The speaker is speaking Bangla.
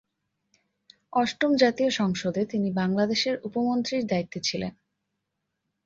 অষ্টম জাতীয় সংসদে তিনি বাংলাদেশের উপ মন্ত্রীর দায়িত্বে ছিলেন।